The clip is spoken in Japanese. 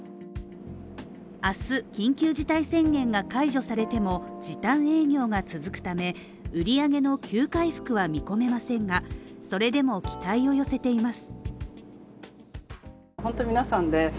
明日、緊急事態宣言が解除されても、時短営業が続くため、売り上げの急回復は見込めませんが、それでも期待を寄せています。